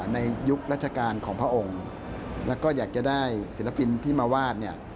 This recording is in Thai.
ยุครัชกาลของพระองค์แล้วก็อยากจะได้ศิลปินที่มาวาดเนี่ย